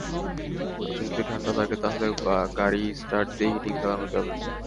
রাতে যদি ঠান্ডা লাগে তাহলে গাড়ি স্টার্ট দিয়ে হিটিং চলানো যাবে।